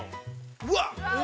◆うわっ。